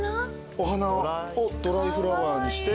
お花をドライフラワーにして。